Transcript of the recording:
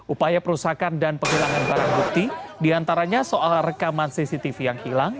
upaya perusakan dan penghilangan barang bukti diantaranya soal rekaman cctv yang hilang